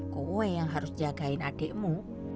gue yang harus jagain adikmu